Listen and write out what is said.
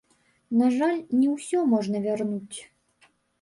На жаль, не ўсё можна вярнуць.